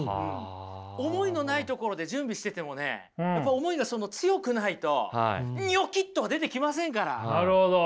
思いのないところで準備しててもねやっぱり思いが強くないとニョキッとは出てきませんから！